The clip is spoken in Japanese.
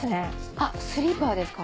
あっスリーパーですか？